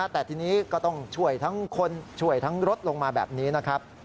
แต่ทีนี้ก็ต้องช่วยทั้งคนช่วยทั้งรถลงมาแบบนี้นะครับ